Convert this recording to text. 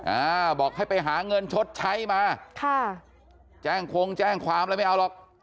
อ่าบอกให้ไปหาเงินชดใช้มาค่ะแจ้งคงแจ้งความอะไรไม่เอาหรอก